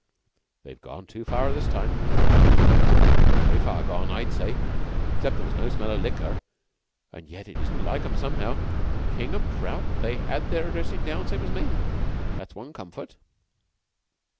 "They've gone a bit too far this time," Foxy thought to himself. "Very far gone, I'd say, excep' there was no smell of liquor. An' yet it isn't like 'em somehow. King and Prout they 'ad their dressin' down same as me. That's one comfort."